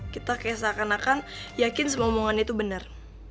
kita kayak seakan akan yakin semua omongan itu benar